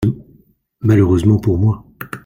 Malheureusement pour moi.